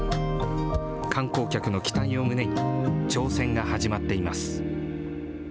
観光客の期待を胸に、挑戦が始まっています。